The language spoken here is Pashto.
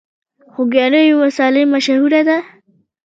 خوږیاڼیو ولسوالۍ مشهوره ده؟